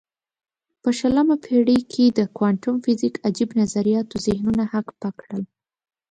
په شلمه پېړۍ کې د کوانتم فزیک عجیب نظریاتو ذهنونه هک پک کړل.